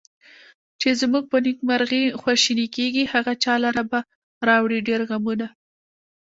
چې زمونږ په نیکمرغي خواشیني کیږي، هغه چا لره به راوړي ډېر غمونه